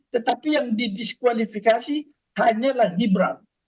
tetapi yang didiskualifikasi hanyalah gibran